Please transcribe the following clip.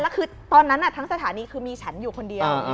แล้วคือตอนนั้นทั้งสถานีคือมีฉันอยู่คนเดียว